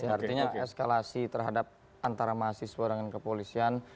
artinya eskalasi terhadap antara mahasiswa dengan kepolisian